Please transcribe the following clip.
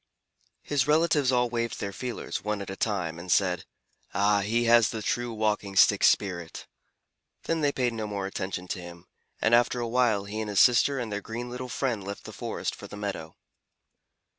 His relatives all waved their feelers, one at a time, and said, "Ah, he has the true Walking Stick spirit!" Then they paid no more attention to him, and after a while he and his sister and their green little friend left the forest for the meadow.